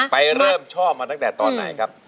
ไปเริ่มชอบมาตั้งแต่ตอนไหนครับ